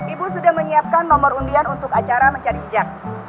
ibu sudah menyiapkan nomor undian untuk acara mencari hijab